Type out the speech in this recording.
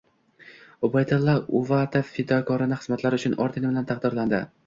Ubaydulla Uvatov “Fidokorona xizmatlari uchun” ordeni bilan taqdirlandi